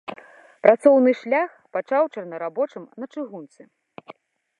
Працоўны шлях пачаў чорнарабочым на чыгунцы.